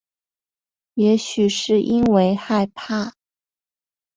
也许是因为害怕